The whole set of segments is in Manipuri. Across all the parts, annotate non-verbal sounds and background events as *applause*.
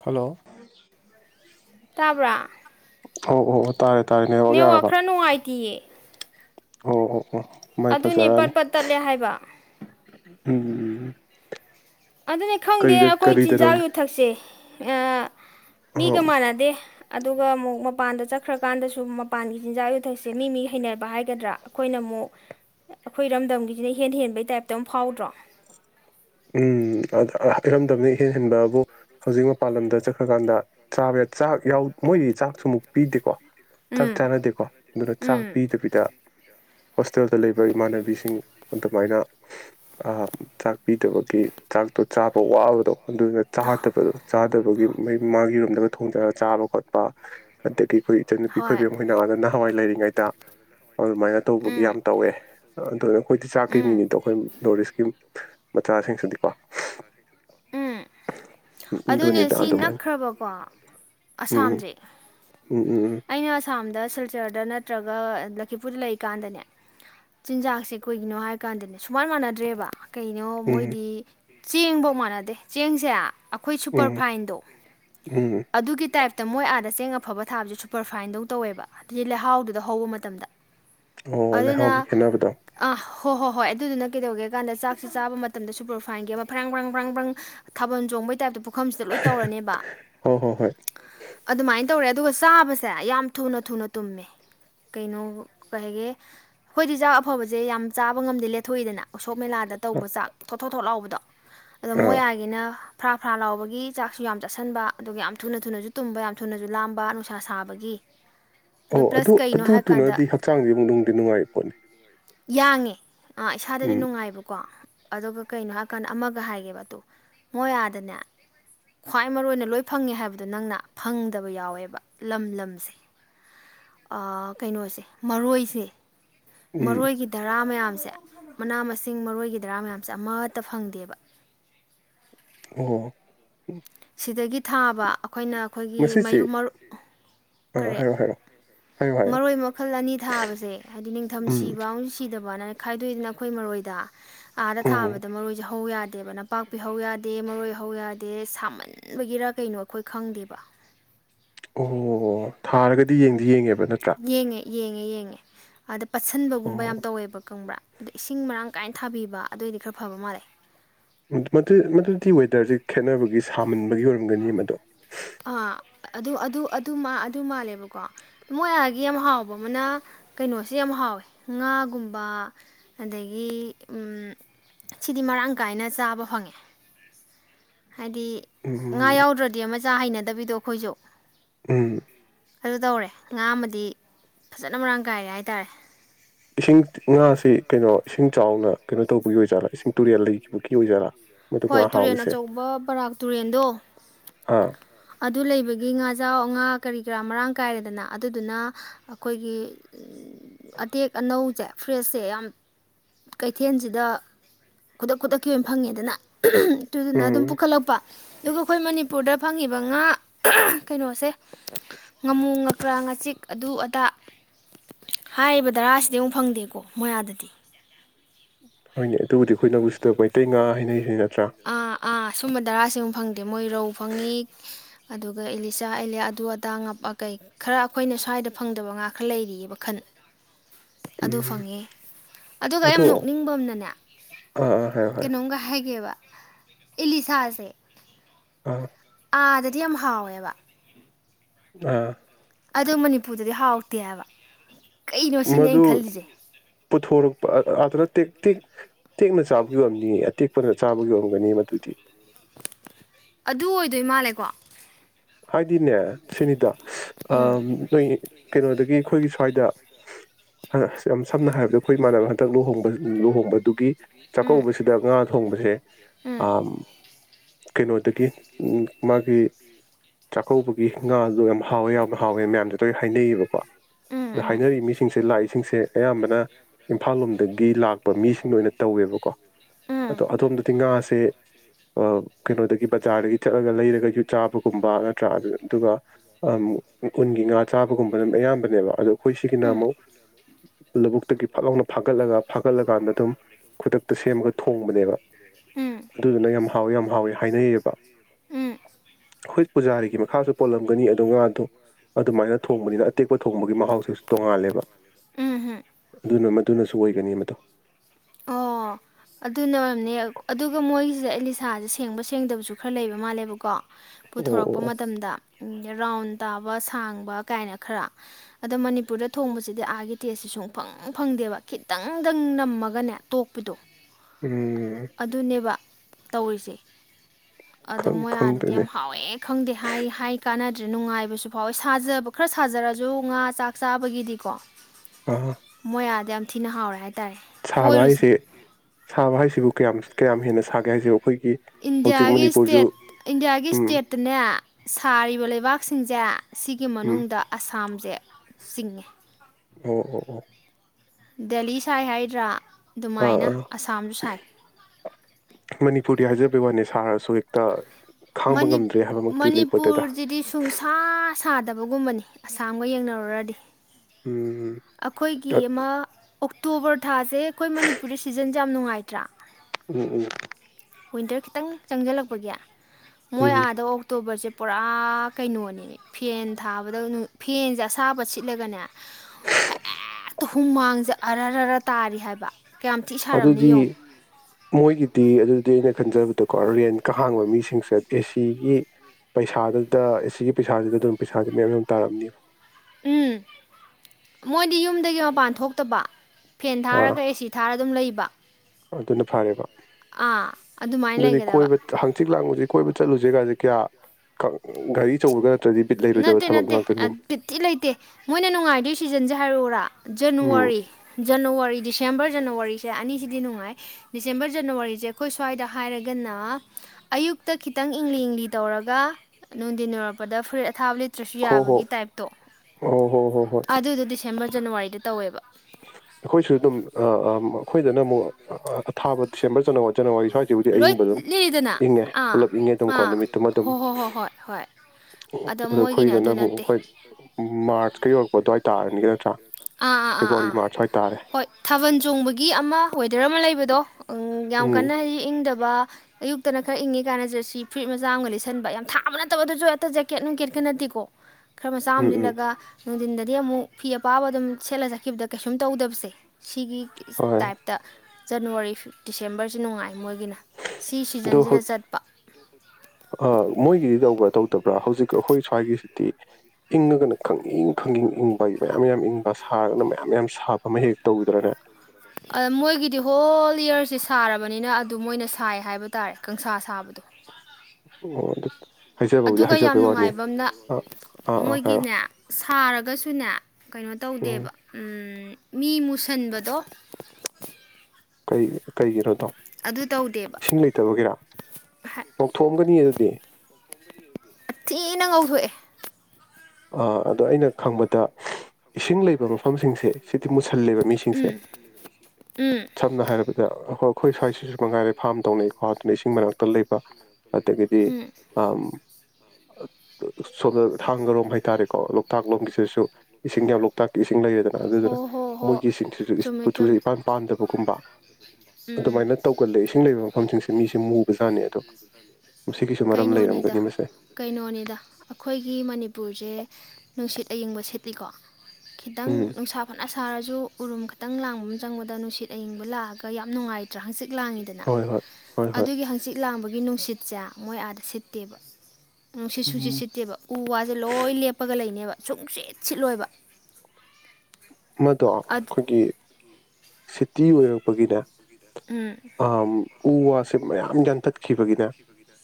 ꯍꯜꯂꯣ ꯇꯥꯕ꯭ꯔꯥ ꯍ ꯍ ꯇꯥꯔꯦ ꯇꯥꯔꯦꯅꯦꯔ ꯅꯦꯠꯋꯥꯛ ꯌꯥꯔꯕ ꯈꯔ ꯅꯨꯡꯉꯥꯏꯇꯤꯌꯦ ꯑꯣ ꯑꯣ ꯑꯣ ꯃꯥꯏ ꯑꯗꯨꯅꯦ ꯄꯠ ꯐꯖꯔꯛꯑꯅꯤ ꯄꯠ ꯇꯠꯂꯦ ꯍꯥꯏꯕ ꯎꯝ ꯑꯗꯨꯅꯤ ꯈꯪꯗꯦ ꯀꯔꯤꯗ ꯑꯩꯈꯣꯏ ꯀꯔꯤꯗꯅꯣꯅꯦ ꯆꯤꯟꯖꯥꯛꯒꯤ ꯌꯨꯊꯛꯁꯦ ꯑ ꯃꯤ ꯀꯃꯔꯗ ꯑꯗꯨꯒ ꯑꯃꯨꯛ ꯃꯄꯥꯟꯗ ꯆꯠꯈ꯭ꯔꯀꯥꯟꯗꯁꯨ ꯃꯄꯥꯟꯒꯤ ꯆꯤꯟꯖꯥꯛ ꯌꯨꯊꯛꯁꯦ ꯃꯤ ꯃꯤ ꯍꯩꯅꯕ ꯍꯥꯏꯒꯗ꯭ꯔꯥ ꯑꯩꯈꯣꯏꯅ ꯑꯃꯨꯛ ꯑꯩꯈꯣꯏ ꯏꯔꯝꯗꯝꯒꯤꯁꯤꯅ ꯍꯦꯟ ꯍꯦꯟꯕꯩ ꯇꯥꯏꯞꯇ ꯑꯃ ꯐꯥꯎꯗ꯭ꯔꯣ ꯎꯝ ꯏꯔꯝꯗꯝꯅ ꯏꯍꯦꯟ ꯍꯦꯟꯕꯕꯨ ꯍꯧꯖꯤꯛ ꯃꯄꯥꯟ ꯂꯝꯗ ꯆꯠꯈ꯭ꯔꯀꯥꯟꯗ ꯆꯥꯕ ꯆꯥꯛ ꯃꯣꯏꯗꯤ ꯆꯥꯛꯁꯨ ꯑꯃꯨꯛ ꯄꯤꯗꯦꯀꯣ ꯆꯥꯛ ꯎꯝ ꯆꯥꯅꯗꯦꯀꯣ ꯑꯗꯨꯅ ꯆꯥꯛ ꯎꯝ ꯄꯤꯗꯕꯤꯗ ꯍꯣꯁꯇꯦꯜꯗ ꯂꯩꯕ ꯏꯃꯥꯟꯅꯕꯤꯁꯤꯡ ꯑꯗꯨꯃꯥꯏꯅ ꯆꯥꯛ ꯄꯤꯗꯕꯒꯤ ꯆꯥꯛꯇꯣ ꯆꯥꯕ ꯋꯥꯕꯗꯣ ꯑꯗꯨꯗꯨꯅ ꯆꯥꯗꯕꯗꯣ ꯆꯥꯗꯕꯒꯤ ꯃꯥꯒꯤꯔꯣꯝꯗꯒ ꯊꯣꯡꯖꯔꯒ ꯆꯥꯕ ꯈꯣꯠꯄ ꯑꯗꯒꯤ ꯑꯩꯈꯣꯏ ꯏꯆꯟꯅꯨꯄꯤ ꯍꯣꯏ ꯈꯣꯏꯕꯤ ꯃꯈꯣꯏꯅꯉꯗ ꯅꯍꯥꯟꯋꯥꯏ ꯂꯩꯔꯤꯉꯩꯗ ꯑꯗꯨꯃꯥꯏꯅ ꯇꯧꯕꯒꯤ ꯎꯝ ꯌꯥꯝ ꯇꯧꯋꯦ ꯑꯗꯨꯅ ꯑꯩꯈꯣꯏꯗꯤ ꯆꯥꯛꯀꯤ ꯎꯝ ꯃꯤꯅꯤꯗꯣ ꯑꯩꯈꯣꯏ ꯅꯣꯔꯠ ꯏꯁꯀꯤ ꯃꯆꯥꯁꯤꯡꯁꯤꯗꯤ ꯀꯣ ꯎꯝ ꯎꯝ ꯑꯗꯨꯅꯦ ꯑꯗꯨꯅꯤꯗ ꯁꯤ ꯑꯗꯨꯃꯥꯏꯅ ꯅꯛꯈ꯭ꯔꯕꯀꯣ ꯎꯝ ꯑꯁꯥꯝꯁꯦ ꯎꯝ ꯑꯩꯅ ꯑꯁꯥꯝꯗ ꯁꯤꯜꯆꯔꯗ ꯅꯠꯇ꯭ꯔꯒ ꯂꯛꯈꯤꯄꯨꯔꯗ ꯂꯩꯀꯥꯟꯗꯅꯦ ꯆꯤꯟꯖꯥꯛꯁꯦ ꯀꯩꯒꯤꯅꯣ ꯍꯥꯏ ꯀꯥꯟꯗꯅꯦ ꯁꯨꯃꯥꯏ ꯃꯥꯟꯅꯗ꯭ꯔꯦꯕ ꯀꯩꯅꯣ ꯎꯝ ꯎꯝ ꯃꯣꯏꯗꯤ ꯆꯦꯡꯐꯧ ꯃꯥꯟꯅꯗꯦ ꯆꯦꯡꯁꯦ ꯑꯩꯈꯣꯏ ꯁꯨꯄꯔꯐꯥꯏꯟꯗꯣ ꯎꯝ ꯎꯝ ꯑꯗꯨꯒꯤ ꯇꯥꯏꯞ ꯃꯣꯏ ꯑꯥꯗ ꯆꯦꯡ ꯑꯐꯕ ꯊꯥꯕꯁꯦ ꯁꯨꯄꯔꯐꯥꯏꯟꯗꯧ ꯇꯧꯋꯦꯕ ꯑꯗꯨꯗꯤ ꯂꯩꯍꯥꯎꯗꯨꯗ ꯍꯧꯕ ꯃꯇꯝꯗ ꯑꯣ ꯑꯗꯨꯅ ꯂꯩꯍꯥꯎꯒꯤ ꯈꯦꯠꯅꯕꯗꯣ ꯑꯥ ꯍꯣꯏ ꯍꯣꯏ ꯍꯣꯏ ꯑꯗꯨꯗꯨꯅ ꯀꯩꯗꯧꯒꯦ ꯀꯥꯟꯗ ꯆꯥꯛꯁꯦ ꯆꯥꯕ ꯃꯇꯝꯗ ꯁꯨꯄꯔ ꯐꯥꯏꯒꯦꯕ ꯐ꯭ꯔꯥꯡ ꯕ꯭ꯔꯪ ꯐꯔꯥꯡꯕ꯭ꯔꯪ ꯊꯥꯜ ꯆꯣꯡꯕꯒꯤ ꯇꯥꯏꯞꯇ ꯃꯐꯝꯁꯤꯗ ꯂꯣꯏ ꯇꯧꯔꯅꯦꯕ ꯍꯣꯏ ꯍꯣꯏ ꯍꯣꯏ ꯑꯗꯨꯃꯥꯏꯅ ꯇꯧꯔꯦ ꯑꯗꯨꯒ ꯆꯥꯕꯁꯦ ꯌꯥꯝ ꯊꯨꯅ ꯊꯨꯅ ꯇꯨꯝꯃꯦ ꯀꯩꯅꯣ ꯀꯩ ꯍꯥꯏꯒꯦ ꯍꯣꯏꯗꯤꯖꯥꯛ ꯑꯐꯕꯁꯦ ꯌꯥꯝ ꯆꯥꯕ ꯉꯝꯗꯦ ꯂꯦꯊꯣꯛꯏꯗꯅ ꯑꯁꯣꯞ ꯃꯦꯂꯥꯗ ꯇꯧꯕ ꯆꯥꯛ ꯊꯣꯊꯣꯛ ꯇꯣꯠ ꯂꯥꯎꯕꯗ ꯑꯗꯣ ꯑꯥ ꯃꯣꯏ ꯑꯒꯤꯅ ꯐꯔꯥ ꯐꯔꯥ ꯂꯥꯎꯕꯒꯤ ꯆꯥꯛꯁꯨ ꯌꯥꯝ ꯆꯥꯁꯤꯟꯕ ꯑꯗꯨꯒ ꯌꯥꯝ ꯊꯨꯅ ꯊꯨꯅꯁꯨ ꯇꯨꯝꯕ ꯌꯥꯝ ꯊꯨꯅꯁꯨ ꯂꯥꯝꯕ ꯅꯨꯡꯁꯥ ꯁꯥꯕꯒꯤ ꯑꯗꯣ ꯑꯣ ꯑꯗꯨ ꯄ꯭ꯂꯁ ꯀꯩꯅꯣ ꯍꯥꯏꯔꯀꯥꯟꯗ ꯑꯗꯨꯗꯨꯅꯗꯤ ꯍꯛꯆꯥꯡꯗꯤ ꯑꯃꯨꯛ ꯅꯨꯡꯗꯤ ꯅꯨꯡꯉꯥꯏꯔꯤꯕ ꯄꯣꯠꯅꯤ ꯌꯥꯡꯉꯦ ꯑꯥ ꯏꯁꯥꯗꯗꯤ ꯎꯝ ꯅꯨꯡꯉꯥꯏꯕꯀꯣ ꯑꯗꯣ ꯀꯩꯅꯣ ꯍꯥꯏꯔꯀꯥꯟꯗ ꯑꯃꯒ ꯍꯥꯏꯒꯦꯕ ꯑꯗꯨꯣ ꯃꯣꯏ ꯑꯥꯗꯅꯦ ꯈ꯭ꯋꯥꯏ ꯃꯔꯣꯏ ꯑꯣꯏꯅ ꯂꯣꯏ ꯐꯪꯉꯦ ꯍꯥꯏꯕꯗꯣ ꯅꯪꯅ ꯐꯪꯗꯕ ꯌꯥꯎꯋꯦꯕ ꯂꯝ ꯂꯝꯁꯦ ꯀꯩꯅꯣꯁꯦ ꯃꯔꯣꯏꯁꯦ ꯎꯝ ꯃꯔꯣꯏꯒꯤ ꯙꯔꯥ ꯃꯌꯥꯝꯁ ꯐ ꯑꯣ ꯁꯤꯗꯒꯤ ꯊꯥꯕ ꯑꯩꯈꯣꯏꯅ ꯑꯩꯈꯣꯏꯒꯤ ꯃꯁꯤꯁꯦ ꯑꯥ ꯀꯔꯤ ꯍꯥꯏꯔꯣ ꯍꯥꯏꯔꯣ ꯍꯥꯏꯌꯣ ꯍꯥꯏꯌꯣ ꯃꯔꯣꯏ ꯃꯈꯜ ꯑꯅꯤ ꯊꯥꯕꯁꯦ ꯍꯥꯏꯗꯤ ꯅꯤꯡꯊꯝ ꯎꯝ ꯁꯤꯕ ꯑꯃꯁꯨꯡ ꯁꯤꯗꯕ ꯕꯕꯥꯅꯅ ꯈꯥꯏꯗꯣꯏꯗꯅ ꯑꯩꯈꯣꯏ ꯃꯔꯣꯏꯗ ꯑꯥꯗ ꯎꯝ ꯊꯥꯕꯗ ꯃꯔꯣꯏꯁꯦ ꯍꯧ ꯌꯥꯅꯤ ꯗꯦꯕ ꯅꯄꯥꯛꯄꯤꯍꯧ ꯌꯥꯗꯦ ꯃꯔꯣꯏꯍꯧ ꯌꯥꯗꯦ ꯁꯥꯃ ꯈꯟꯕꯒꯤꯔ ꯀꯩꯅꯣ ꯑꯩꯈꯣꯏ ꯈꯪꯗꯦꯕ ꯑꯣ ꯊꯥꯔꯒꯗꯤ ꯌꯦꯡꯗꯤ ꯌꯦꯡꯉꯦꯕ ꯅꯠꯇ꯭ꯔꯥ ꯌꯦꯡꯉꯦ ꯌꯦꯡꯉꯦ ꯌꯦꯡꯉꯦ ꯑꯗ ꯄꯠꯁꯟꯕꯒꯨꯝꯕ ꯑꯣ ꯌꯥꯝ ꯇꯧꯋꯦꯕ ꯀꯪꯕ꯭ꯔꯥ ꯑ ꯏꯁꯤꯡ ꯃꯔꯥꯡ ꯀꯥꯏꯅ ꯊꯥꯕꯤꯕ ꯑꯗꯨꯑꯣꯏꯗꯤ ꯈꯔ ꯐꯕ ꯃꯥꯜꯂꯦ ꯃꯗꯨꯗꯤ ꯋꯦꯗꯔꯁꯦ ꯈꯦꯠꯅꯕꯒꯤ ꯁꯥꯃꯟꯕꯒꯤ ꯑꯣꯏꯔꯝꯒꯅꯤ ꯃꯗꯣ ꯑꯥ ꯑꯗꯨ ꯑꯗꯨ ꯑꯗꯨ ꯃꯥ ꯑꯗꯨ ꯃꯥꯜꯂꯦꯕꯀꯣ ꯃꯣꯏ ꯑꯥꯒꯤ ꯌꯥꯝ ꯍꯥꯎꯕ ꯑꯃꯅ ꯀꯩꯅꯣꯁꯨ ꯌꯥꯝ ꯍꯥꯎꯋꯦ ꯉꯥꯒꯨꯝꯕ ꯑꯗꯒꯤ ꯁꯤꯗꯤ ꯃꯔꯥꯡ ꯀꯥꯏꯅ ꯆꯥꯕ ꯐꯪꯉꯦ ꯍꯥꯏꯗꯤ ꯉꯥ ꯎꯝ ꯌꯥꯎꯗ꯭ꯔꯗꯤ ꯑꯃꯆꯥ ꯍꯩꯅꯗꯦ ꯕꯤꯗꯣ ꯑꯩꯈꯣꯏꯁꯨꯣꯛ ꯎꯝ ꯑꯗꯨ ꯇꯧꯔꯦ ꯉꯥ ꯑꯃꯗꯤ ꯗꯤ ꯐꯖꯅ ꯃꯔꯥꯡ ꯀꯥꯏꯔꯦ ꯍꯥꯏꯇꯥꯔꯦ ꯏꯁꯤꯡ ꯉꯥꯁꯤ ꯀꯩꯅꯣ ꯏꯁꯤꯡ ꯆꯥꯎꯅ ꯀꯩꯅꯣ ꯇꯧꯕꯒꯤ ꯑꯣꯏꯖꯥꯠꯔꯥ ꯏꯁꯤꯡ ꯇꯨꯔꯦꯜ ꯂꯩꯈꯤꯕꯒꯤ ꯑꯣꯏꯖꯥꯔꯥ ꯍꯣꯏ ꯇꯨꯔꯦꯟ ꯑꯆꯧꯕ ꯕꯔꯥꯛ ꯇꯨꯔꯦꯟꯗꯣ ꯑꯥ ꯑꯗꯨ ꯂꯩꯕꯒꯤ ꯑ ꯒꯤ ꯉꯥꯖꯥꯎ ꯑꯉꯥ ꯀꯔꯤ ꯀꯔꯥ ꯃꯔꯥꯡ ꯀꯥꯏꯔꯦꯗꯅ ꯑꯗꯨꯗꯨꯅ ꯑꯩꯈꯣꯏꯒꯤ ꯑꯇꯦꯛ ꯑꯅꯧꯁꯦ ꯐ꯭ꯔꯦꯁꯁꯦ ꯌꯥꯝ ꯀꯩꯊꯦꯜꯁꯤꯗ ꯈꯨꯗꯛ ꯈꯨꯗꯛꯀꯤ ꯑꯣꯏꯅ ꯐꯪꯉꯦꯗꯅ ꯑꯗꯨꯗꯨꯅ ꯑꯗꯨꯝ ꯎꯝ ꯄꯨꯈꯠꯂꯛꯄ ꯑꯗꯨꯒ ꯑꯩꯈꯣꯏ ꯃꯅꯤꯄꯨꯔꯗ ꯐꯪꯉꯤꯕ ꯉꯥ ꯀꯩꯅꯣꯁꯦ ꯉꯥꯃꯨ ꯉꯀ꯭ꯔꯥ ꯉꯥꯆꯤꯛ ꯑꯗꯨ ꯑꯗꯥ ꯍꯥꯏꯔꯤꯕ ꯙꯔꯥꯁꯤꯗꯤ ꯑꯃꯨꯛ ꯐꯪꯗꯦꯀꯣ ꯃꯣꯏꯌꯥꯥꯗꯗꯤ ꯍꯅꯦ ꯅꯠꯇ꯭ꯔꯥ ꯑꯥ ꯑꯥ ꯁꯨꯝꯕ ꯙꯔꯥꯁꯤꯡ ꯐꯪꯗꯦ ꯃꯣꯏ ꯔꯧ ꯐꯪꯉꯤ ꯑꯗꯨꯒ ꯏꯂꯤꯆꯥ ꯑꯗꯨ ꯑꯗꯥ ꯀꯩ ꯈꯔ ꯑꯩꯈꯣꯏꯅ ꯁ꯭ꯋꯥꯏꯗ ꯐꯪꯗꯕ ꯉꯥ ꯈꯔ ꯂꯩꯔꯤꯑꯕꯜ ꯑꯗꯨ ꯎꯝ ꯐꯪꯉꯦ ꯑꯗꯨꯒ ꯑꯗꯣ ꯌꯥꯝ ꯅꯣꯛꯅꯤꯡꯕ ꯑꯃꯅꯅꯦ ꯑꯥ ꯑꯥ ꯍꯥꯏꯌꯣ ꯍꯥꯏꯌꯣ ꯀꯩꯅꯣꯝꯒ ꯍꯥꯏꯒꯦꯕ ꯑꯦꯂꯤꯤꯁꯥ ꯁꯦ ꯑꯥ ꯑꯥꯗꯗꯤ ꯌꯥꯝ ꯍꯥꯎꯋꯦꯕ ꯑꯥ ꯑꯗꯨ ꯃꯅꯤꯄꯨꯔꯗꯗꯤ ꯍꯥꯎꯇꯦꯕ ꯃꯗꯨꯨ ꯄ ꯊꯣꯣꯔꯨ ꯑꯗꯨꯥꯅ ꯇ ꯇꯦꯛ ꯇꯦꯛꯅ ꯆꯥꯕꯒꯤ ꯌ ꯑꯣꯏꯔꯝꯅꯤ ꯑꯇꯦꯛꯄꯅ ꯆꯥꯕ ꯌ ꯑꯣꯏꯔꯝꯒꯅꯤ ꯃꯗꯨꯗꯤ ꯑꯗꯨ ꯑꯣꯏꯗꯣꯏ ꯃꯥꯜꯂꯦꯀꯣ ꯍꯥꯏ ꯗꯤꯅꯦ ꯁꯤꯅꯤꯗ ꯑ ꯎꯝ ꯅꯣꯏ ꯀꯩꯅꯣꯗꯒꯤ ꯑꯩꯈꯣꯏꯒꯤ ꯁ꯭ꯋꯥꯏꯗ ꯌꯥꯝ ꯁꯝꯅ ꯍꯥꯏꯔꯕꯗ ꯑꯩꯈꯣꯏ ꯏꯃꯥꯟꯅꯕ ꯍꯟꯗꯛ ꯂꯨꯍꯣꯡꯕ ꯂꯨꯍꯣꯡꯕꯗꯨꯒꯤ ꯎꯝ ꯆꯥꯛꯀꯧꯕꯁꯤꯗ ꯉꯥ ꯊꯣꯡꯕꯁꯦ ꯑ ꯎꯝ ꯀꯩꯅꯣꯗꯒꯤ ꯃꯥꯒꯤ ꯆꯥꯛꯀꯧꯕꯒꯤ ꯉꯥꯗꯣ ꯌꯥꯝ ꯍꯥꯎꯋꯦ ꯌꯥꯝꯅ ꯍꯥꯎꯋꯦ ꯃꯌꯥꯝꯁꯨꯦ ꯇꯣꯏꯅ ꯍꯥꯏꯅꯩꯌꯦꯕꯀꯣ ꯎꯝ ꯑꯗ ꯎꯝ ꯍꯥꯏꯅꯔꯤꯕ ꯃꯤꯁꯤꯡꯁꯦ ꯂꯥꯛꯏꯁꯤꯡꯁꯦ ꯑꯌꯥꯝꯕꯅ ꯏꯝꯐꯥꯜ ꯂꯣꯝꯗꯒꯤ ꯂꯥꯛꯄ ꯃꯤꯁꯤꯡ ꯑꯣꯏꯅ ꯇꯧꯋꯦꯕꯀꯣ ꯑꯗꯣ ꯎꯝ ꯑꯗꯣꯝꯗ ꯇꯦꯡꯉꯥꯛꯁꯦ ꯑ ꯀꯩꯅꯣꯗꯒꯤ ꯕꯖꯥꯔꯗꯒꯤ ꯆꯠꯂꯒ ꯂꯩꯔꯒꯁꯨ ꯆꯥꯕ ꯨꯝꯕ ꯅꯠꯇ꯭ꯔ ꯑꯗꯨꯒ ꯎꯟꯒꯤ ꯉꯥ ꯆꯥꯕꯒꯨꯝꯕ ꯑꯗꯨꯝ ꯑꯌꯥꯝꯕꯅꯦꯕ ꯑꯗꯣ ꯑꯩꯈꯣꯏ ꯁꯤꯒꯤꯅ ꯑꯃꯨꯛ ꯂꯧꯕꯨꯛꯇꯒꯤ ꯐꯥꯛ ꯂꯥꯎꯅ ꯐꯥꯒꯠꯂꯒ ꯐꯥꯒꯠꯂꯀꯥꯟꯗ ꯑꯗꯨꯝ ꯈꯨꯗꯛꯇ ꯁꯦꯝꯃꯒ ꯊꯣꯡꯕꯅꯦꯕ ꯎꯝ ꯑꯗꯨꯗꯨꯅ ꯌꯥꯝ ꯍꯥꯎꯋꯦ ꯌꯥꯝ ꯍꯥꯎꯋꯦ ꯍꯥꯏꯅꯩꯌꯦꯕ ꯎꯝ ꯎꯝ ꯍꯣꯏ ꯄꯨꯖꯥꯔꯤꯒꯤ ꯃꯈꯥꯁꯨ ꯄꯣꯜꯂꯝꯒꯅꯤ ꯑꯗꯣ ꯉꯥꯗꯣ ꯑꯗꯨꯃꯥꯏꯅ ꯊꯣꯡꯕꯅꯤꯅ ꯑꯇꯦꯛꯄ ꯊꯣꯡꯕꯒꯤ ꯃꯍꯥꯎꯁꯤꯁꯨ ꯇꯣꯡꯉꯥꯜꯂꯦꯕ ꯎꯝ ꯍꯝ ꯑꯗꯨꯅ ꯃꯗꯨꯅꯁꯨ ꯑꯣꯏꯒꯅꯤ ꯃꯗꯣ ꯑꯣ ꯑꯗꯨꯅ ꯑꯣꯏꯔꯝꯅꯦ ꯑꯗꯨꯒ ꯃꯣꯏꯒꯤꯁꯤꯗ ꯑꯩ ꯂꯤꯁꯥꯁꯦ ꯁꯦꯡꯕ ꯁꯦꯡꯗꯕꯁꯨ ꯈꯔ ꯂꯩꯕ ꯃꯥꯜꯂꯦꯕꯀꯣ ꯑꯣ ꯑꯣ ꯄꯨꯊꯣꯔꯛꯄ ꯑꯣ ꯃꯇꯝꯗ ꯔꯥꯎꯟ ꯇꯥꯕ ꯁꯥꯡꯕ ꯀꯥꯏꯅ ꯈꯔ ꯑꯗ ꯃꯅꯤꯄꯨꯔꯗ ꯊꯣꯡꯕꯁꯤꯗꯤ ꯑꯥꯒꯤ ꯇꯦꯁꯁꯤ ꯁꯨꯡꯐꯪ ꯐꯪꯗꯦꯕ ꯈꯤꯇꯪꯗꯪ ꯅꯝꯃꯒꯅꯦ ꯇꯣꯛꯄꯤꯗꯣ ꯎꯝ ꯑꯗꯨꯅꯦꯕ ꯇꯧꯔꯤꯁꯦ ꯈꯪ ꯈꯟꯅꯦ ꯑꯩ ꯈꯪꯗꯦ ꯍꯥꯏ ꯍꯥꯏ ꯀꯥꯟꯅꯗ꯭ꯔꯦ ꯅꯨꯡꯉꯥꯏꯕꯁꯨ ꯐꯥꯎꯋꯦ ꯁꯥꯖꯕ ꯈꯔ ꯁꯥꯖꯔꯁꯨ ꯉꯥ ꯆꯥꯛ ꯆꯥꯕꯒꯤꯗꯤꯀꯣ ꯑꯥ ꯃꯣꯏ ꯌꯥꯗ ꯊꯤꯅ ꯍꯥꯎꯔꯦ ꯍꯥꯏꯇꯥꯔꯦ ꯁꯥꯕ ꯀꯣꯏꯔꯨꯁꯤ ꯍꯥꯏꯁꯦ ꯁꯥꯕ ꯍꯥꯏꯁꯤꯕꯨ ꯀꯌꯥꯝ ꯀꯌꯥꯝ ꯍꯦꯟꯅ ꯁꯥꯒꯦ ꯍꯥꯏꯁꯤꯦ ꯏꯟꯗꯤꯌꯥꯒꯤ ꯏꯁꯇꯦꯠ ꯏꯟꯗꯤꯌꯥꯒꯤ ꯎꯝ ꯏꯁꯇꯦꯠꯇꯅꯦ ꯁꯥꯔꯤꯕ ꯂꯩꯕꯥꯛ ꯀꯛꯆꯤꯡꯖꯥ ꯁꯤꯒꯤ ꯎꯝ ꯃꯅꯨꯡꯗ ꯑꯁꯥꯝꯁꯦ ꯁꯤꯡꯉ ꯎꯝ ꯎꯝ ꯎꯝ ꯗꯦꯂꯤ ꯁꯥꯏ ꯍꯥꯏꯗ꯭ꯔꯥ ꯑ ꯑꯗꯨꯃꯥꯏꯅ ꯑ ꯑꯁꯥꯝꯁꯨ ꯁꯥꯏ ꯃꯅꯤꯄꯨꯔꯔꯤ ꯍꯥꯏꯖ ꯑꯗꯨ ꯋꯥꯅꯤ ꯁꯥꯔꯁꯨ ꯍꯦꯛꯇ ꯈꯥꯡꯕ ꯉꯝꯗ꯭ꯔꯦ ꯍꯥꯏꯕꯃꯛꯇꯤ ꯂꯩꯄꯣꯠꯇꯦꯗ ꯃꯅꯤꯄꯨꯔꯁꯤꯗꯤ ꯁꯨꯡꯁꯥ ꯁꯥꯗꯕꯒꯨꯝꯕꯅꯤ ꯑꯁꯥꯝꯒ ꯌꯦꯡꯅꯔꯨꯔꯗꯤ ꯎꯝ ꯑꯩꯈꯣꯏꯒꯤ ꯑꯃ ꯑꯣ ꯇꯣꯕꯔ ꯊꯥꯁꯦ ꯑꯩꯈꯣꯏ ꯃꯅꯤꯄꯨꯔꯗꯤ ꯁꯤꯖꯟꯁꯦ ꯌꯥꯝ ꯅꯨꯡꯉꯥꯏꯇ꯭ꯔꯥ ꯎꯝ ꯎꯝ ꯋꯤꯟꯇꯔ ꯈꯤꯇꯪ ꯆꯪꯁꯤꯜꯂꯛꯄꯒꯤ ꯃꯣꯏ ꯎꯝ ꯑꯥꯗ ꯑꯣꯛꯇꯣꯕꯔꯁꯦ ꯄꯨꯔꯥ ꯀꯩꯅꯣꯅꯤ ꯐꯦꯟ ꯊꯥꯕꯗ ꯐꯦꯟꯁꯦ ꯑꯁꯥꯕ ꯁꯤꯠꯂꯒꯅꯦ ꯍꯦꯛꯇ ꯍꯨꯝꯃꯥꯡꯁꯦ ꯑꯔꯔꯔ ꯇꯥꯔꯤ ꯍꯥꯏꯕ ꯀꯌꯥꯝ ꯊꯤ ꯑꯗꯨꯗꯤ ꯁꯥꯔꯝꯅꯤ ꯌꯦꯡꯉꯣ ꯃꯣꯏꯒꯤꯗꯤ ꯑꯗꯨꯗꯤ ꯒ *unintelligible* ꯈꯟꯖꯕꯗꯀꯣ ꯔꯦꯟꯀ ꯍꯥꯡꯕ ꯃꯤꯁꯤꯡꯁꯦ ꯑꯦꯁꯤꯒꯤ ꯄꯩꯁꯥꯗꯨꯗ ꯑꯦꯁꯤꯒꯤ ꯄꯩꯁꯥꯗꯨꯗ ꯑꯗꯨꯝ ꯄꯩꯁꯥꯁꯦ ꯃꯌꯥꯝ ꯃꯌꯥꯝ ꯇꯥꯔꯝꯅꯤꯕ ꯎꯝ ꯃꯣꯏꯗꯤ ꯌꯨꯝꯗꯒꯤ ꯃꯄꯥꯟ ꯊꯣꯛꯇꯕ ꯐꯦꯟ ꯑꯥ ꯊꯥꯔꯒ ꯑꯦꯁꯤ ꯊꯥꯔ ꯑꯗꯨꯝ ꯂꯩꯕ ꯑꯗꯨꯅ ꯐꯔꯦꯕ ꯑꯥ ꯑꯗꯨꯃꯥꯏꯅ ꯑꯗꯨꯗꯤ ꯂꯩꯒꯗꯕ ꯀꯣꯏꯕ ꯍꯥꯡꯆꯤꯛ ꯂꯥꯡꯕꯁꯦ ꯀꯣꯏꯕ ꯆꯠꯂꯨꯁꯦ ꯒꯥꯥꯁꯦ ꯀꯌꯥ ꯈꯪ ꯒꯥꯔꯤ ꯆꯧꯕꯒ ꯅꯠꯇꯦ ꯅꯠꯇꯦ ꯑ ꯕꯤꯠ ꯊꯤ ꯂꯩꯇꯦ ꯃꯣꯏꯅ ꯅꯨꯡꯉꯥꯏꯗꯣꯏ ꯁꯤꯖꯟꯁꯦ ꯍꯥꯏꯔꯣꯔꯥ ꯎꯝ ꯖꯦꯅꯋꯥꯔꯤ ꯖꯦꯅꯋꯥꯔꯤ ꯗꯤꯁꯦꯝꯕꯔ ꯖꯦꯅꯋꯥꯔꯤꯁꯦ ꯑꯅꯤꯁꯤꯗꯤ ꯅꯨꯡꯉꯥꯏ ꯗꯤꯁꯦꯝꯕꯔ ꯖꯦꯅꯋꯥꯔꯤꯁꯦ ꯑꯩꯈꯣꯏ ꯁ꯭ꯋꯥꯏꯗ ꯍꯥꯏꯔꯒꯅ ꯑꯌꯨꯛꯇ ꯈꯤꯇꯪ ꯏꯪꯂꯤ ꯏꯪꯂꯤ ꯇꯧꯔꯒ ꯅꯨꯡꯊꯤꯟ ꯌꯧꯔꯛꯄꯗ ꯐꯨꯔꯤꯠ ꯊꯥꯕ ꯂꯤꯠ ꯇ꯭ꯔꯁꯨ ꯍꯣ ꯍꯣ ꯌꯥꯕꯒꯤ ꯇꯥꯏꯞꯇꯣ ꯍꯣ ꯍꯣ ꯍꯣ ꯍꯣꯏ ꯑꯗꯨꯗꯨꯗꯤ ꯗꯤꯁꯦꯝꯕꯔ ꯖꯦꯅꯋꯥꯔꯤꯗ ꯇꯧꯋꯦꯕ ꯑꯩꯈꯣꯏꯁꯨ ꯑꯗꯨꯝ ꯑ ꯑ ꯑꯩꯈꯣꯏꯗꯅ ꯑꯃꯨꯛ ꯑꯊꯥꯕ ꯁꯦꯝꯕ ꯖꯦꯅꯋꯥꯔꯤ ꯖꯦꯅꯋꯥꯔꯤ ꯁ꯭ꯋꯥꯏꯁꯤꯕꯨꯗꯤ ꯂꯣꯏ ꯑꯏꯪꯕ ꯑꯗꯨꯝ ꯂꯤꯔꯤꯗꯅ ꯏꯪꯉꯦ ꯑꯥ ꯄꯨꯂꯞ ꯏꯪꯉꯦ ꯑꯗꯨꯝ ꯀꯣ ꯑꯥ ꯅꯨꯃꯤꯠꯇꯨꯃ ꯑꯗꯨꯝ ꯍꯣ ꯍꯣ ꯍꯣ ꯍꯣꯏ ꯍꯣꯏ ꯑꯗꯣ ꯑꯗꯨ ꯃꯣꯏꯒꯤꯅ ꯈꯣꯏꯗꯅ ꯑꯃꯨꯛ ꯅꯠꯇꯦ ꯑꯩꯈꯣꯏ ꯃꯥꯔ꯭ꯁꯀ ꯌꯧꯔꯛꯄ ꯑꯗꯨꯋꯥꯏ ꯇꯥꯔꯅꯤ ꯅꯠꯇ꯭ꯔꯥ ꯑꯥ ꯑꯥ ꯑꯥ ꯐꯦꯕꯋꯥꯔꯤ ꯃꯥꯔꯆ ꯍꯥꯏꯇꯥꯔꯦ ꯍꯣꯏ ꯊꯥꯕꯜ ꯆꯣꯡꯕꯒꯤ ꯑꯃ ꯋꯦꯗꯔ ꯑꯃ ꯂꯩꯕ ꯗꯣ ꯎꯝ ꯌꯥꯝ ꯀꯟꯅ ꯍꯏ ꯏꯪꯗꯕ ꯑꯌꯨꯛꯇꯅ ꯈꯔ ꯏꯪꯉꯤ ꯀꯥꯏꯅ ꯖꯔꯁꯤ ꯐꯨꯔꯤꯠ ꯃꯆꯥ ꯑꯃꯒ ꯂꯤꯠꯁꯟꯕ ꯌꯥꯝ ꯊꯥꯕ ꯅꯠꯇꯕ ꯑꯗꯨꯁꯨ ꯍꯦꯛꯇ ꯖꯦꯀꯦꯠ ꯅꯨꯡꯀꯦꯠꯀ ꯅꯠꯇꯦꯀꯣ ꯈꯔ ꯃꯆꯥ ꯑꯝ ꯎꯝ ꯎꯝ ꯂꯤꯠꯂꯒ ꯅꯨꯡꯊꯤꯟꯗꯗꯤ ꯑꯃꯨꯛ ꯐꯤ ꯑꯄꯥꯕ ꯑꯗꯨꯝ ꯁꯦꯠꯂ ꯆꯠꯈꯤꯕꯗ ꯀꯩꯁꯨꯝ ꯇꯧꯗꯕꯁꯦ ꯁꯤꯒꯤ ꯍꯣꯏ ꯇꯥꯏꯞꯇ ꯖꯅꯋꯥꯔꯤ ꯗꯤꯁꯦꯝꯕꯔꯁꯤ ꯅꯨꯡꯉꯥꯏ ꯃꯣꯏꯒꯤꯅ ꯁꯤ ꯗꯣ ꯍ ꯁꯤꯖꯟꯁꯤꯗ ꯆꯠꯄ ꯑ ꯃꯣꯏꯒꯤꯗꯤ ꯇꯧꯕ꯭ꯔꯥ ꯇꯧꯗꯕ꯭ꯔꯥ ꯍꯧꯖꯤꯛ ꯑꯩꯈꯣꯏ ꯁ꯭ꯋꯥꯏꯒꯤꯁꯤꯗꯤ ꯏꯪꯉꯒꯅ ꯈꯪꯏꯪ ꯈꯪꯏꯪ ꯏꯪꯕ ꯃꯌꯥꯝ ꯌꯥꯝ ꯏꯪꯕ ꯁꯥꯔꯒꯅ ꯃꯌꯥꯝ ꯌꯥꯝ ꯁꯥꯕ ꯑꯃ ꯍꯦꯛ ꯇꯧꯗ꯭ꯔꯅꯦ ꯑ ꯃꯣꯏꯒꯤꯗꯤ ꯍꯣꯜ ꯌꯤꯑ꯭ꯔꯁꯦ ꯁꯥꯔꯕꯅꯤꯅ ꯑꯗꯨ ꯃꯣꯏꯅ ꯁꯥꯏ ꯍꯥꯏꯕ ꯇꯥꯔꯦ ꯀꯪꯁꯥ ꯁꯥꯕꯗꯣ ꯑꯣ ꯑꯗꯨ ꯍꯥꯏꯖꯕꯕꯨꯗꯤ ꯑꯗꯨꯒ ꯌꯥꯝ ꯍꯥꯏꯖꯕꯩ ꯋꯥꯅꯤ ꯅꯨꯡꯉꯥꯏꯕ ꯑꯃꯅ ꯑꯥ ꯑꯥ ꯑꯥ ꯍꯥꯏꯔꯣ ꯃꯣꯏꯒꯤꯅꯦ ꯁꯥꯔꯒ ꯁꯨꯨꯅꯦ ꯀꯩꯅꯣ ꯎꯝ ꯇꯧꯗꯦꯕ ꯎ ꯃꯤ ꯃꯨꯁꯟꯕꯗꯣ ꯀꯩꯒ ꯀꯔꯤꯒꯤꯅꯣꯗꯣ ꯑꯗꯨ ꯇꯧꯗꯦꯕ ꯏꯁꯤꯡ ꯂꯩꯇꯕꯒꯤꯦꯔꯥ ꯂꯧꯊꯣꯛꯑꯝꯒꯅꯤ ꯑꯗꯨꯗꯤ ꯊꯤꯅ ꯉꯧꯊꯣꯛꯑꯦ ꯑ ꯑꯗꯣ ꯑꯩꯅ ꯈꯪꯕꯗ ꯏꯁꯤꯡ ꯂꯩꯕ ꯃꯐꯝꯁꯤꯡꯁꯦ ꯁꯤꯗꯤ ꯃꯨꯁꯜꯂꯦꯕ ꯃꯤꯁꯤꯡꯁꯦ ꯎꯝ ꯎꯝ ꯁꯝꯅ ꯍꯥꯏꯔꯕꯗ ꯑꯗꯣꯏ ꯑꯩꯈꯣꯏ ꯁ꯭ꯋꯥꯏꯁꯤꯁꯨ ꯃꯉꯥꯏꯔꯦ ꯐꯥꯔꯝ ꯇꯧꯅꯩꯀꯣ ꯑꯗꯨꯅ ꯏꯁꯤꯡ ꯃꯔꯛꯇ ꯂꯩꯕ ꯑꯇꯗꯒꯤꯗꯤ ꯎꯝ ꯑ ꯁꯣꯝꯗ ꯊꯥꯡꯒꯔꯣꯝ ꯍꯥꯏ ꯍꯥꯏꯇꯥꯔꯦꯀꯣ ꯂꯣꯛꯇꯥꯛ ꯂꯣꯝꯒꯤꯁꯤꯗꯁꯨ ꯏꯁꯤꯡ ꯌꯥꯝ ꯂꯣꯛꯇꯥꯛꯀꯤ ꯏꯁꯤꯡ ꯂꯩꯗ ꯑꯗꯨꯗꯨꯅ ꯍꯣ ꯍꯣ ꯍꯣ ꯆꯨꯝꯃꯦ ꯃꯣꯏꯒꯤꯁꯤꯡꯁꯤꯁꯨꯨꯁꯦ ꯆꯨꯝꯃꯦ ꯏꯄꯥꯟ ꯄꯥꯟꯗꯕꯒꯨꯝꯕ ꯎꯝ ꯑꯗꯨꯃꯥꯏꯅ ꯇꯧꯒꯜꯂꯦ ꯏꯁꯤꯡ ꯂꯩꯕ ꯃꯐꯝꯁꯤꯡꯁꯦ ꯃꯤꯁꯦ ꯃꯨꯕꯖꯥꯠꯅꯤ ꯑꯗꯣ ꯃꯁꯤꯒꯤꯁꯨ ꯃꯔꯝ ꯀꯩꯅꯣꯅꯤꯗ ꯂꯩꯔꯝꯒꯅꯤ ꯃꯁꯦ ꯇꯄꯨꯔꯁꯦ ꯅꯨꯡꯁꯤꯠ ꯑꯌꯤꯡꯕ ꯁꯦꯠꯂꯤꯀꯣ ꯎꯝ ꯈꯤꯇꯪ ꯑꯐꯠ ꯑꯁꯔꯁꯨ ꯎꯔꯨꯝ ꯈꯛꯇꯪ ꯂꯥꯡꯕ ꯑꯃ ꯆꯪꯕꯗ ꯅꯨꯡꯁꯤꯠ ꯑꯏꯤꯡꯕ ꯂꯥꯛꯑꯒ ꯌꯥꯝ ꯅꯨꯡꯉꯥꯏꯇ ꯠꯇ꯭ꯔ ꯍꯥꯡꯆꯤꯠ ꯂꯥꯡꯉꯤꯗꯅ ꯍꯣꯏ ꯍꯣꯏ ꯍꯣꯏ ꯍꯣꯏ ꯑꯗꯨꯒꯤ ꯍꯥꯡꯆꯤꯠ ꯂꯥꯡꯕꯒꯤ ꯅꯨꯡꯁꯤ ꯁꯤꯠꯁꯦ ꯃꯣꯏ ꯑꯥꯗ ꯁꯤꯠꯇꯦꯕ ꯎꯝ ꯁꯤꯠꯁꯨꯨꯁꯤꯠ ꯁꯤꯠꯇꯦꯕ ꯎ ꯋꯥꯁꯦ ꯂꯣꯏ ꯂꯦꯞꯄꯒ ꯂꯩꯅꯦꯕ ꯁꯨꯡꯁꯤꯠ ꯁꯤꯠꯂꯣꯏꯕ ꯃꯗꯣ ꯑꯗꯨ ꯑꯩꯈꯣꯏꯒꯤ ꯁꯤꯇꯤ ꯑꯣꯏꯔꯛꯄꯒꯤꯅ ꯎꯝ ꯑ ꯎ ꯋꯥꯁꯦ ꯃꯌꯥꯝ ꯌꯥꯟꯊꯠꯈꯤꯕꯒꯤꯅ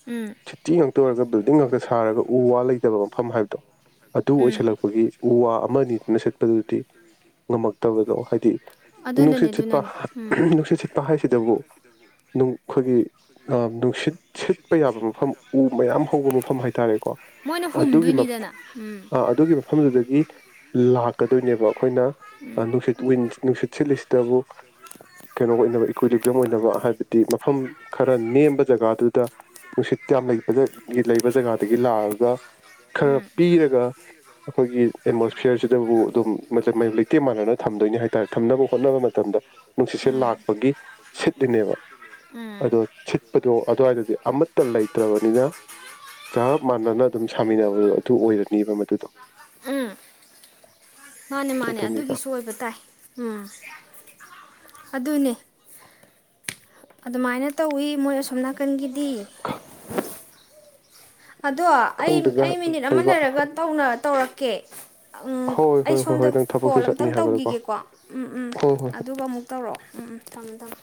ꯎꯝ ꯁꯤꯇꯤ ꯉꯥꯛꯇ ꯑꯣꯏꯔꯒ ꯕꯤꯜꯗꯤꯡ ꯉꯥꯛꯇ ꯁꯥꯔꯒ ꯎ ꯋꯥ ꯂꯩꯇꯕ ꯃꯐꯝ ꯍꯥꯏꯕꯗꯣ ꯑꯗꯨ ꯎꯝ ꯑꯣꯏꯁꯜꯂꯛꯄꯒꯤ ꯎ ꯋꯥ ꯑꯃ ꯅꯤꯗꯨꯅ ꯁꯦꯠꯄꯗꯨꯗꯤ ꯉꯝꯃꯛꯇꯕꯗꯣ ꯍꯥꯏꯗꯤ ꯉꯝꯃꯛꯇꯕꯗꯣ ꯍꯥꯏꯗꯤ ꯑꯗꯨꯅꯅꯦ ꯅꯨꯡꯁꯤꯠ ꯁꯤꯠꯄ ꯑꯗꯨꯅꯅꯦ ꯎꯝ ꯅꯨꯡꯁꯤꯠ ꯁꯤꯠꯄ ꯍꯥꯏꯁꯤꯗꯕꯨ ꯑꯩꯈꯣꯏꯒꯤ ꯅꯨꯡꯁꯤꯠ ꯁꯤꯠꯄ ꯌꯥꯕ ꯃꯐꯝ ꯎ ꯃꯌꯥꯝ ꯍꯧꯕ ꯃꯐꯝ ꯍꯥꯏꯇꯥꯔꯦꯀꯣ ꯃꯣꯏꯅ ꯑꯗꯨꯒꯤ ꯍꯨꯝꯗꯣꯏꯅꯤꯗꯅ ꯎꯝ ꯑꯗꯨꯒꯤ ꯃꯐꯝꯗꯨꯗꯒꯤ ꯂꯥꯛꯀꯗꯣꯏꯅꯦꯕ ꯑꯩꯈꯣꯏꯅ ꯅꯨꯡꯁꯤꯠ ꯋꯤꯟ ꯅꯨꯡꯁꯤꯠ ꯁꯤꯠꯂꯤꯁꯤꯗꯕꯨ ꯀꯩꯅꯣ ꯑꯣꯏꯅꯕ ꯏꯀ꯭ꯋꯂꯤꯕꯝ ꯑꯣꯏꯅꯕ ꯍꯥꯏꯕꯗꯤ ꯃꯐꯝ ꯈꯔ ꯅꯦꯝꯕ ꯖꯒꯥꯗꯨꯗ ꯅꯨꯡꯁꯤꯠ ꯌꯥꯝ ꯂꯩꯕ ꯂꯩꯕ ꯖꯒꯥ ꯑꯗꯒꯤ ꯂꯥꯛꯑꯒ ꯈꯔ ꯎꯝ ꯄꯤꯔꯒ ꯑꯩꯈꯣꯏꯒꯤ ꯑꯦꯠꯃꯣꯁꯐꯤꯌꯔꯁꯤꯗꯕꯨ ꯑꯗꯨꯝ ꯂꯩꯇꯦ ꯃꯥꯟꯅꯅ ꯊꯝꯗꯣꯏꯅꯤ ꯍꯥꯏꯇꯥꯔꯦ ꯍꯣꯠꯅꯕ ꯃꯇꯝꯗ ꯅꯨꯡꯁꯤꯠꯁꯦ ꯎꯝ ꯂꯥꯛꯄꯒꯤ ꯁꯤꯠꯂꯤꯅꯦꯕ ꯎꯝ ꯑꯗꯣ ꯁꯤꯠꯄꯗꯣ ꯑꯗꯨꯋꯥꯏꯗꯗꯤ ꯑꯃꯠꯇ ꯂꯩꯇ꯭ꯔꯕꯅꯤꯅ ꯆꯞ ꯃ ꯑꯗꯨꯝ ꯁꯥꯃꯤꯟꯅꯕꯗꯣ ꯑꯗꯨ ꯑꯣꯏꯔꯅꯦꯕ ꯃꯗꯨꯗꯣ ꯎꯝ ꯃꯥꯅꯦ ꯃꯥꯅꯦ ꯑꯗꯨꯅꯤꯗ ꯑꯗꯨꯒꯤꯁꯨ ꯑꯣꯏꯕ ꯇꯥꯏ ꯎꯝ ꯑꯗꯨꯅꯦ ꯑꯗꯨꯃꯥꯏꯅ ꯇꯧꯋꯤ ꯃꯣꯏ ꯑꯁꯣꯝꯅꯅꯥ ꯀꯪꯒꯤꯗꯤ ꯑꯗꯣ ꯑꯩ ꯈꯪꯗꯦꯗ ꯑꯩ ꯃꯤꯅꯤꯠ ꯑꯃ ꯂꯩꯕ ꯂꯩꯔꯒ ꯇꯧꯅ ꯇꯧꯔꯛꯀꯦ ꯍꯣꯏ ꯑꯩ ꯍꯣꯏ ꯍꯣꯏ ꯁꯣꯝꯗ ꯍꯣꯏ ꯅꯪ ꯊꯕꯛꯁꯨ ꯀꯣꯜ ꯆꯠꯅꯤ ꯑꯝꯇꯪ ꯍꯥꯏꯕꯗꯀꯣ ꯇꯧꯈꯤꯒꯦꯀꯣ ꯎꯝ ꯎꯝ ꯍꯣꯏ ꯍꯣꯏ ꯑꯗꯨꯒ ꯑꯃꯨꯛ ꯇꯧꯔꯛꯑꯣ ꯎꯝ ꯎꯝ ꯊꯝꯃꯦ ꯊꯝꯃꯦ